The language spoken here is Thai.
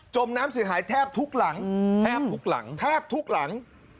มน้ำเสียหายแทบทุกหลังแทบทุกหลังแทบทุกหลัง